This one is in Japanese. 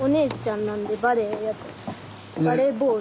バレーボール。